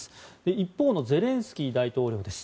一方のゼレンスキー大統領です。